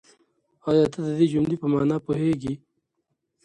آيا ته د دې جملې په مانا پوهېږې؟